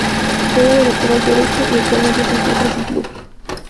Juega de Lateral derecho y actualmente se encuentra sin club.